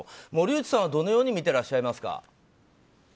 森内さんはどのように見てらっしゃいますか。